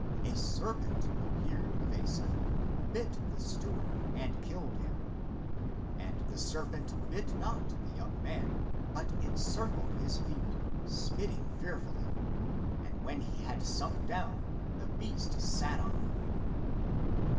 A serpent appeared of a sudden, bit the steward, and killed him. And the serpent bit not the young man, but encircled his feet, spitting fear fully, and when he had sunk down, the beast sat on him.